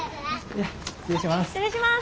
じゃ失礼します。